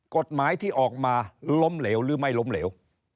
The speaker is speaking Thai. กฎหมายที่ออกมาล้มเหลวหรือไม่ล้มเหลว